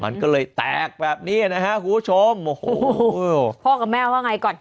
มันก็เลยแตกแบบนี้นะฮะคุณผู้ชมโอ้โหพ่อกับแม่ว่าไงก่อน